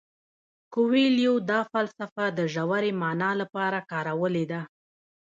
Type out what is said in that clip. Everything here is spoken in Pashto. کویلیو دا فلسفه د ژورې مانا لپاره کارولې ده.